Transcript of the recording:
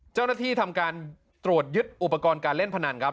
เจ้าหน้าที่ทำการตรวจยึดอุปกรณ์การเล่นพนันครับ